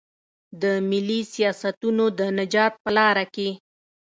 د ملي سیاستونو د نجات په لار کې.